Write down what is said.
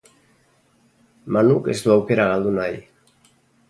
Manuk ez du aukera galdu nahi.